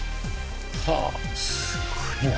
はあすごいな。